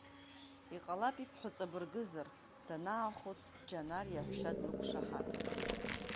Иҟалап ибҳәо ҵабыргызар, данаахәыц Џьанар иаҳәшьа длықәшаҳаҭын.